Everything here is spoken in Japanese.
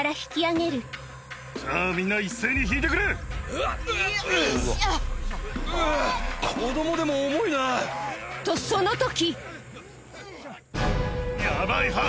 うぅ子供でも重いな。とその時！